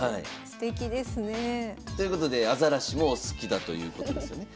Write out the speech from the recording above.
すてきですねえ。ということでアザラシもお好きだということですよね。